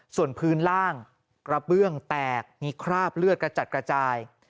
ส่วนพื้นล่างกระเบื้องแตกมีคราบเลือดกระจัดกระจาย